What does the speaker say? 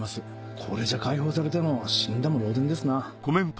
これじゃ解放されても死んだも同然ですな。